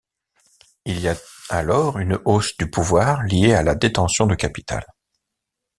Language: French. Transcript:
Il y a alors une hausse du pouvoir liée à la détention de capital.